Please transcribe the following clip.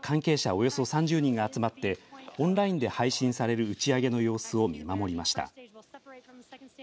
およそ３０人が集まってオンラインで配信される打ち上げの様子を見守りました。